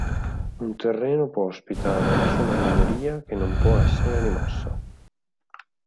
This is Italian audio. Un terreno può ospitare una sola miglioria che non può essere rimossa.